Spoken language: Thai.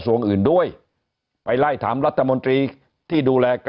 หนี้ครัวเรือนก็คือชาวบ้านเราเป็นหนี้มากกว่าทุกยุคที่ผ่านมาครับ